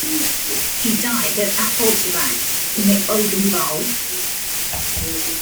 He died at Affolterbach in the Odenwald.